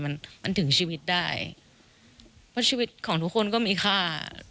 มันมันถึงชีวิตได้เพราะชีวิตของทุกคนก็มีค่า